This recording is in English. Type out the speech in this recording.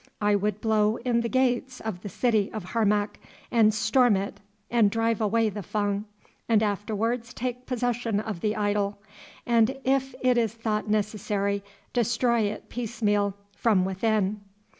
I would blow in the gates of the city of Harmac, and storm it and drive away the Fung, and afterwards take possession of the idol, and if it is thought necessary, destroy it piecemeal from within."